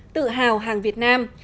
tự hào hàng việt nam